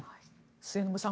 末延さん